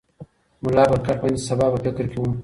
ملا پر کټ باندې د سبا په فکر کې و.